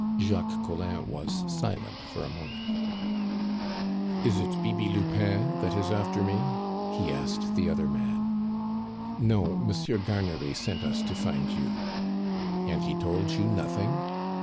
Jacques Collin was silent for a moment. "Is it Bibi Lupin that is after me?" he asked the other man. "No. Monsieur Garnery sent us to find you." "And he told you nothing?"